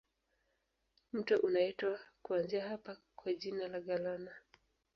Mto unaitwa kuanzia hapa kwa jina la Galana.